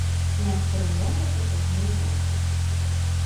Князь цырымонна працягнуў руку.